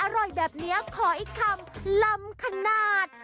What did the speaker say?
อร่อยแบบนี้ขออีกคำลำขนาด